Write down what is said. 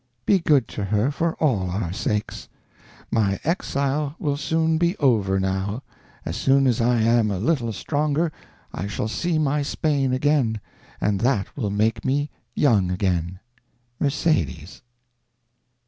Be good to her, for all our sakes! My exile will soon be over now. As soon as I am a little stronger I shall see my Spain again; and that will make me young again! MERCEDES.